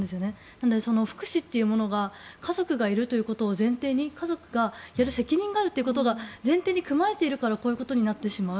なので、福祉というものが家族がいるということを前提に家族がやる責任があるということを前提に組まれているからこういうことになってしまう。